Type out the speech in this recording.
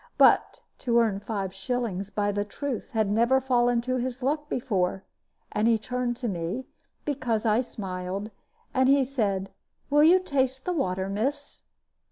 But to earn five shillings by the truth had never fallen to his luck before; and he turned to me, because I smiled, and he said, "Will you taste the water, miss?"